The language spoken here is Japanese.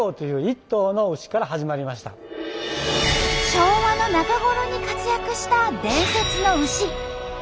昭和の中頃に活躍した伝説の牛田尻号。